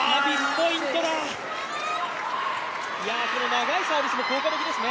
長いサービスも効果的ですね。